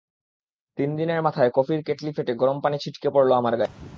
তিন দিনের মাথায় কফির কেটলি ফেটে গরম পানি ছিটকে পড়ল আমার গায়ে।